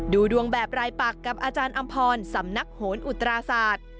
ดูดวงแบบรายปักกับอาจารย์อำพรสำนักโหนอุตราศาสตร์